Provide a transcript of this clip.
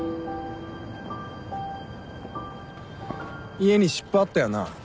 家に湿布あったよな？